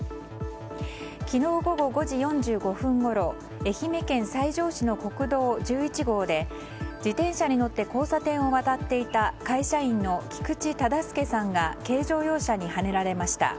昨日午後５時４５分ごろ愛媛県西条市の国道１１号で自転車に乗って交差点を渡っていた会社員の菊池忠助さんが軽乗用車にはねられました。